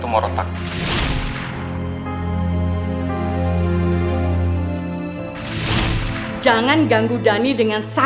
rim corps k nasa sudah memainkan